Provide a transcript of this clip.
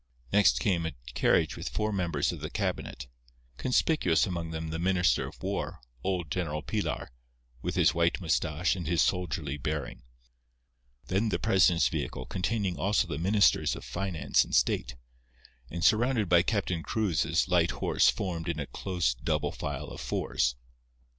Next came a carriage with four members of the cabinet, conspicuous among them the Minister of War, old General Pilar, with his white moustache and his soldierly bearing. Then the president's vehicle, containing also the Ministers of Finance and State; and surrounded by Captain Cruz's light horse formed in a close double file of fours.